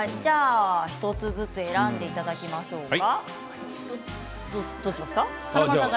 １つずつ選んでいただきましょうか。